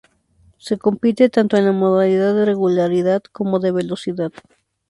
Se compite tanto en la modalidad de regularidad como de velocidad.